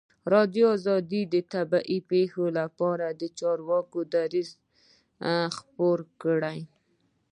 ازادي راډیو د طبیعي پېښې لپاره د چارواکو دریځ خپور کړی.